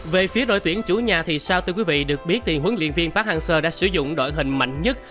về phía đội tuyển chủ nhà thì sao thưa quý vị được biết thì huấn luyện viên park hang seo đã sử dụng đội hình mạnh nhất